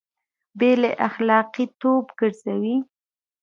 بې له اخلاقي توب ګرځوي